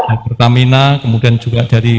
agro tamina kemudian juga dari